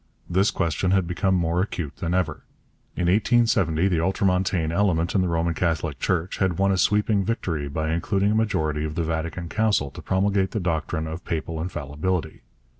This question had become more acute than ever. In 1870 the ultramontane element in the Roman Catholic Church had won a sweeping victory by inducing a majority of the Vatican Council to promulgate the doctrine of Papal Infallibility.